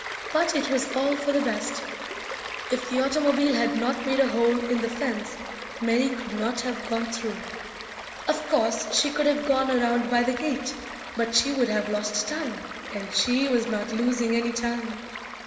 But it was all for the best. If the automobile had not made a hole in the fence Mary could not have gone through. Of course, she could have gone around by the gate, but she would have lost time, and she was not losing any time.